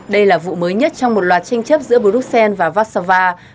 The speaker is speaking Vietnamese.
đây là vụ mới nhất trong một loạt tranh chấp giữa bruxelles và vassava